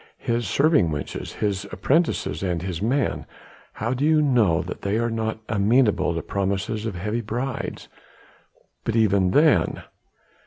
his serving wenches, his apprentices and his men? How do you know that they are not amenable to promises of heavy bribes?" "But even then...."